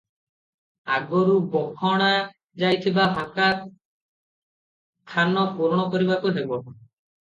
ଆଗରୁ ବଖଣାଯାଇଥିବା ଫାଙ୍କା ଥାନ ପୂରଣ କରିବାକୁ ହେବ ।